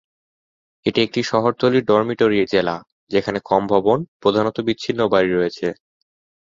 এটি একটি শহরতলির ডরমিটরি জেলা, যেখানে কম ভবন, প্রধানত বিচ্ছিন্ন বাড়ি রয়েছে।